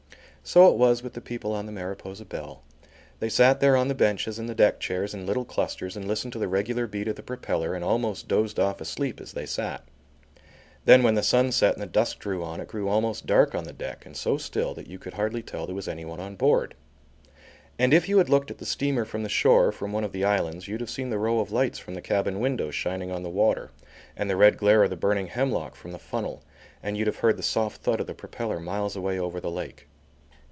So it was with the people on the Mariposa Belle. They sat there on the benches and the deck chairs in little clusters, and listened to the regular beat of the propeller and almost dozed off asleep as they sat. Then when the sun set and the dusk drew on, it grew almost dark on the deck and so still that you could hardly tell there was anyone on board. And if you had looked at the steamer from the shore or from one of the islands, you'd have seen the row of lights from the cabin windows shining on the water and the red glare of the burning hemlock from the funnel, and you'd have heard the soft thud of the propeller miles away over the lake.